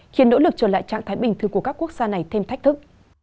khiến nỗ lực trở lại trạng thái bình thường của các quốc gia này thêm thách thức